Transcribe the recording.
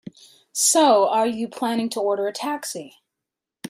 So, are you planning to order a taxi?